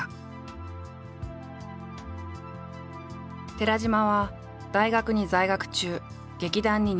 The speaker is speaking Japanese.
寺島は大学に在学中劇団に入団。